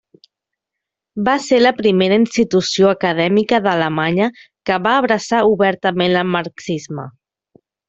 Va ser la primera institució acadèmica d'Alemanya que va abraçar obertament el marxisme.